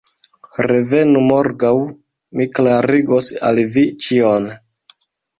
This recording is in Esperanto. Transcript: Revenu morgaŭ: mi klarigos al vi ĉion.